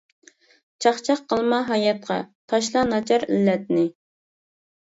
چاقچاق قىلما ھاياتقا، تاشلا ناچار ئىللەتنى.